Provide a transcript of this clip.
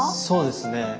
そうですね。